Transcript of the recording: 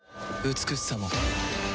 美しさも